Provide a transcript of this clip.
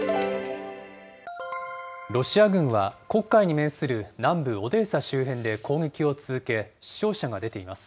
ロシア軍は、黒海に面する南部オデーサ周辺で攻撃を続け、死傷者が出ています。